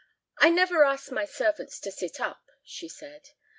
"I never ask my servants to sit up," she said.